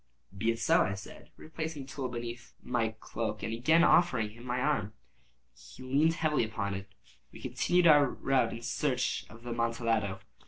"Be it so," I said, replacing the tool beneath the cloak, and again offering him my arm. He leaned upon it heavily. We continued our route in search of the Amontillado.